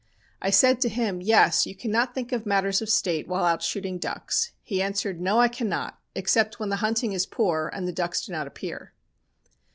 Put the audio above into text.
"I said to him, 'Yes! You cannot think of matters of State while out shooting ducks.' "He answered: "'No, I cannot, except when the hunting is poor and the ducks do not appear.'